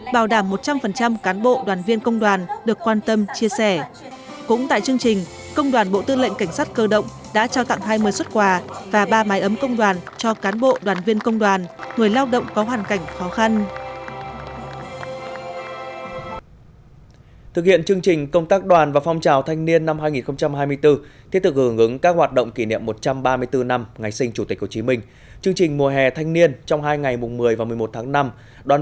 bảo đảm một trăm linh cán bộ đoàn viên công đoàn được quan tâm chia sẻ cũng tại chương trình công đoàn bộ tư lệnh cảnh sát cơ động đã trao tặng hai mươi xuất quà và ba mái ấm công đoàn cho cán bộ đoàn viên công đoàn người lao động có hoàn cảnh khó khăn